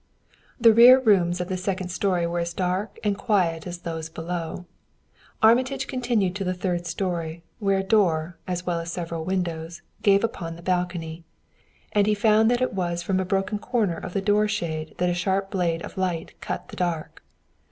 The rear rooms of the second story were as dark and quiet as those below. Armitage continued to the third story, where a door, as well as several windows, gave upon the balcony; and he found that it was from a broken corner of the door shade that a sharp blade of light cut the dark.